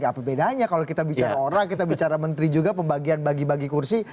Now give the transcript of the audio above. apa bedanya kalau kita bicara orang kita bicara menteri juga pembagian bagi bagi kursi